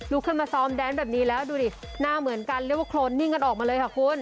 ขึ้นมาซ้อมแดนแบบนี้แล้วดูดิหน้าเหมือนกันเรียกว่าโครนนิ่งกันออกมาเลยค่ะคุณ